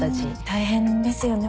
大変ですよね